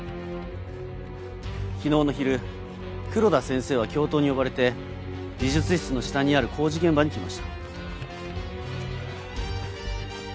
昨日の昼黒田先生は教頭に呼ばれて美術室の下にある工事現場に来ました。